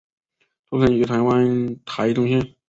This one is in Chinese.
出生于台湾台中县。